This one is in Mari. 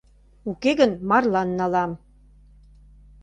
— Уке гын, марлан налам.